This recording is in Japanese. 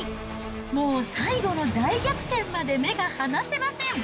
もう最後の大逆転まで目が離せません。